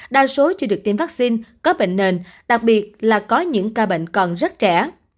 đa số chưa được tiêm vaccine có bệnh nền đặc biệt là có những ca bệnh còn rất trẻ